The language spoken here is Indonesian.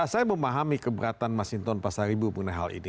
saya memahami keberatan mas hinton pasaribu mengenai hal ini